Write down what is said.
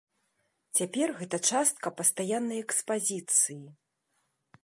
Цяпер гэта частка пастаяннай экспазіцыі.